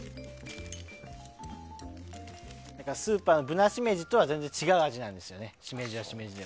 スーパーのブナシメジとは全然違う味なんですよね。